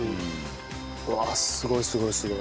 うわあすごいすごいすごい。